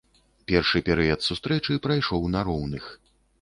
Першы перыяд сустрэчы прайшоў на роўных.